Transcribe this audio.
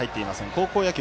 高校野球